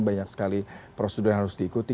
banyak sekali prosedur yang harus diikuti